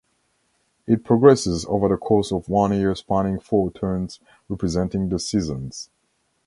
It progresses over the course of one year spanning four turns representing the seasons.